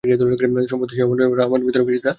সম্ভবত সেই সমন্বয়ের ভাব আমার ভিতরেও কিছুটা আসিয়াছে।